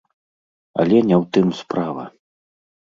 Але не ў тым справа.